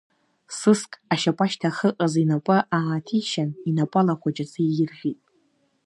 Сыск ашьапашьҭа ахыҟаз инапы ааҭишьын, инапала ахәыҷы аӡы ииржәит.